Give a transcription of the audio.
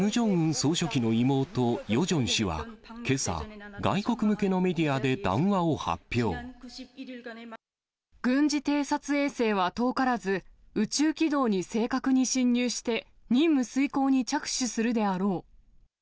総書記の妹、ヨジョン氏はけさ、外国向けのメ軍事偵察衛星は遠からず、宇宙軌道に正確に進入して、任務遂行に着手するであろう。